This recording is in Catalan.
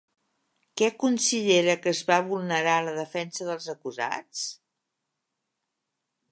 Què considera que es va vulnerar la defensa dels acusats?